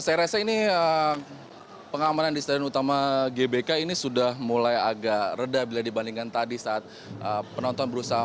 saya rasa ini pengamanan di stadion utama gbk ini sudah mulai agak reda bila dibandingkan tadi saat penonton berusaha